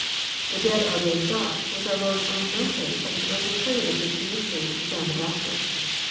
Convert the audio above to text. '* The dead are raised up," was our Lord's own message, at an early period of His ministiy, to John the Baptist.